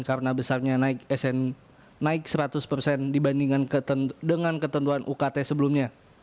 karena besarnya naik seratus dibandingkan dengan ketentuan ukt sebelumnya